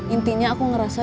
intinya aku ngerasa